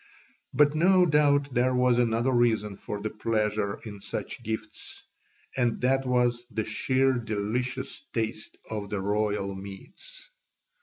But no doubt there was another reason for the pleasure in such gifts, and that was the sheer delicious taste of the royal meats.